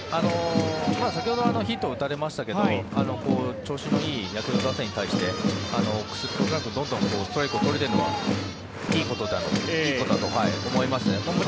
先ほどヒットを打たれましたが調子のいいヤクルト打線に対して臆することなくどんどんストライクを取れているのはいいことだと思います。